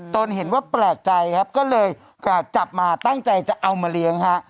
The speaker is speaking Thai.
ตนเห็นว่าแปลกใจครับก็เลยจับมาตั้งใจจะเอามาเลี้ยงฮะ